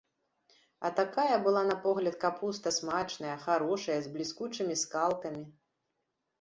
А такая была на погляд капуста смачная, харошая, з бліскучымі скалкамі.